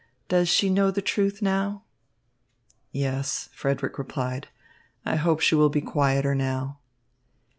"Does she know the truth now?" "Yes," Frederick replied. "I hope she will be quieter now."